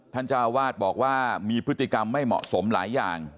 เจ้าวาดบอกว่ามีพฤติกรรมไม่เหมาะสมหลายอย่าง